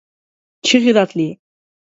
چيغې راتلې.